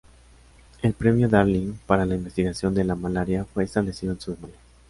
El Premio Darling para la investigación de la malaria fue establecido en su memoria.